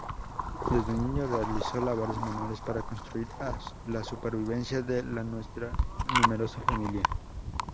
Desde niño realizó labores menores para contribuir a la supervivencia de la numerosa familia.